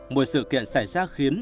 một sự kiện xảy ra khiến